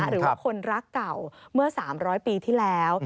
หรือว่าคนรักเก่าเมื่อ๓๐๐ปีที่แล้ว